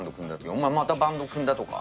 お前、またバンド組んだとか？